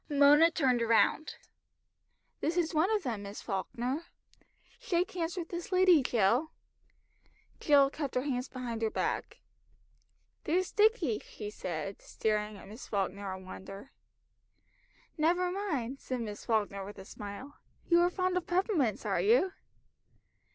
Mona turned round. "This is one of them, Miss Falkner. Shake hands with this lady, Jill." Jill kept her hands behind her back. "They're sticky," she said, staring at Miss Falkner in wonder. "Never mind," said Miss Falkner with a smile. "You are fond of peppermints, are you?"